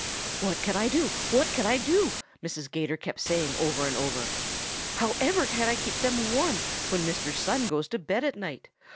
"'What can I do? What can I do?' Mrs. 'Gator kept saying over and over. 'However can I keep them warm when Mr. Sun goes to bed at night?